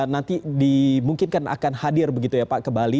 nanti dimungkinkan akan hadir begitu ya pak ke bali